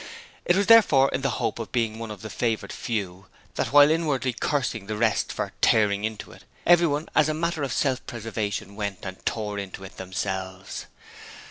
It was therefore in the hope of being one of the favoured few that while inwardly cursing the rest for 'tearing into it', everyone as a matter of self preservation went and 'tore into it' themselves.